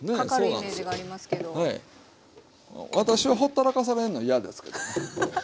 私はほったらかされるの嫌ですけどね。